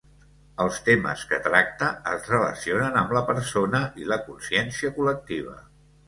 Els temes que tracta es relacionen amb la persona i la consciència col·lectiva.